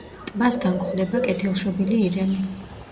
ტბასთან გვხვდება კეთილშობილი ირემი.